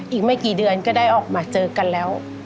อีกไม่กี่เดือนก็ได้ออกมาเจอกันแล้ว